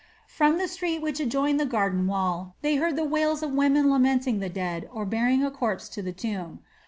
From the street which adjoined the garden wall they heard the wails of women lamenting the dead or bearing a corpse to the tomb.